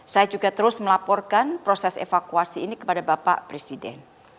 saya juga terus melaporkan proses evakuasi ini kepada bapak presiden